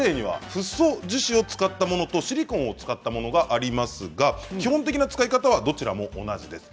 フッ素樹脂を使ったものとシリコンを使ったものがありますが基本的な使い方はどちらも同じです。